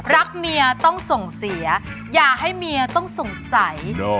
รักเมียต้องส่งเสียอย่าให้เมียต้องสงสัย